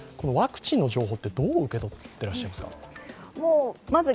ワクチンの情報ってどう受け止めてらっしゃいますか？